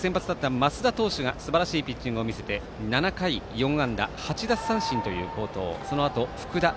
その時は先発だった増田投手がいいピッチングを見せて７回４安打８奪三振の好投。